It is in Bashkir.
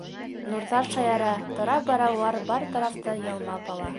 Нурҙар шаяра, тора-бара улар бар тарафты ялмап ала.